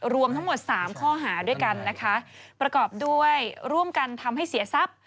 รวมทั้งหมดสามข้อหาด้วยกันนะคะประกอบด้วยร่วมกันทำให้เสียทรัพย์